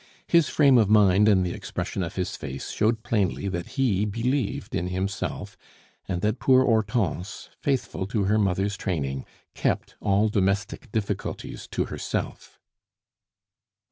His frame of mind and the expression of his face showed plainly that he believed in himself, and that poor Hortense, faithful to her mother's training, kept all domestic difficulties to herself.